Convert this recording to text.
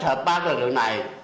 nhiều tích hợp ba lực lượng này